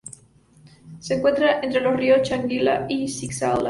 Se encuentra entre los ríos Changuinola y Sixaola.